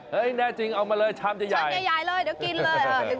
แน่จริงเอามาเลยชามใหญ่ชามใหญ่เลยเดี๋ยวกินเลย